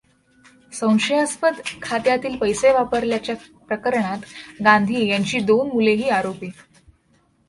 संशयास्पद खात्यातील पैसे वापरल्याच्या प्रकरणात गांधी यांची दोन मुलेही आरोपी.